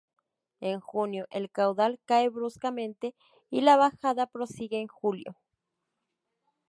En junio, el caudal cae bruscamente, y la bajada prosigue en julio.